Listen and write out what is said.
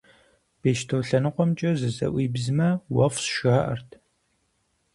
Бещто лъэныкъуэмкӀэ зызэӀуибзмэ, уэфщӀ, жаӀэрт.